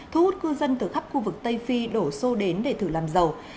thu hút cư dân từ khắp khu vực tây phi đổ sô đến để thử làm giàu